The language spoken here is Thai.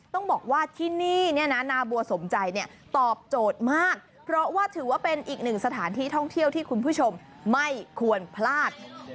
ต้องบอกว่าที่นี่เนี่ยนะนาบัวสมใจเนี่ยตอบโจทย์มากเพราะว่าถือว่าเป็นอีกหนึ่งสถานที่ท่องเที่ยวที่คุณผู้ชมไม่ควรพลาด